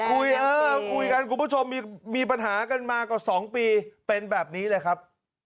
เออคุยกันคุณผู้ชมมีปัญหากันมากว่า๒ปีเป็นแบบนี้เลยครับ